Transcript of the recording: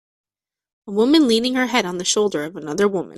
A woman leaning her head on the shoulder of another woman.